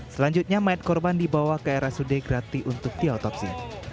selanjutnya mayat korban dibawa ke rsud grati untuk diotopsi